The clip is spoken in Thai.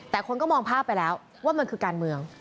แต่คนก็มองภาพไปแล้วว่ามันคือการเมือง